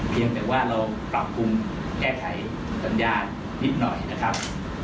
เพียงแต่ว่าเราปรับปรุงแก้ไขสัญญาณนิดหน่อยนะครับ